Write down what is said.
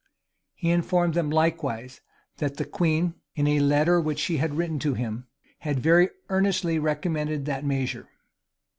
He informed them likewise, that the queen, in a letter which she had written to him, had very earnestly recommended that measure.